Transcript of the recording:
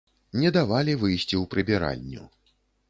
Не давалі выйсці ў прыбіральню.